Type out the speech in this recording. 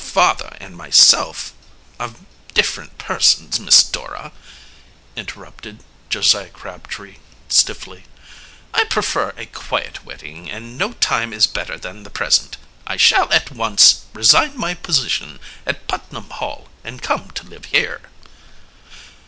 "Your father and myself are different persons, Miss Dora," interrupted Josiah Crabtree stiffly. "I prefer a quiet wedding, and no time is better than the present. I shall at once resign my position at Putnam Hall and come to live here."